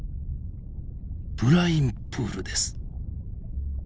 ブラインプールです！